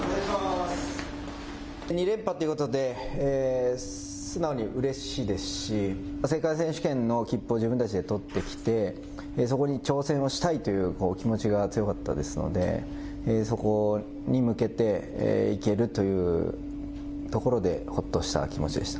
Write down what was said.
２連覇ということで、素直にうれしいですし、世界選手権の切符を自分たちで取ってきて、そこに挑戦をしたいという気持ちが強かったですので、そこに向けて行けるというところで、ほっとした気持ちでした。